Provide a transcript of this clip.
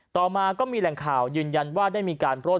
ต่อมาก็มีแหล่งข่าวยืนยันว่าได้มีการปล้น